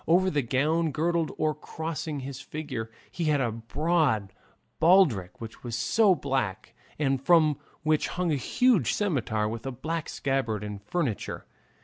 Over the gown, girdling or crossing his figure, he had a broad baldric which was also black, and from which hung a huge scimitar with a black scabbard and furniture.